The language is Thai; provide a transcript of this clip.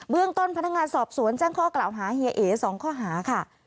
เรื่องต้นพนักงานสอบสวนแจ้งข้อกล่าวหาเฮียเอ๋๒ข้อหาค่ะ